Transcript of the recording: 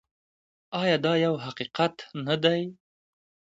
آیا دا یو حقیقت نه دی؟